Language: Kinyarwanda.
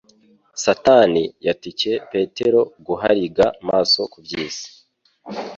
Satani yatcye Petero guhariga amaso ku by'isi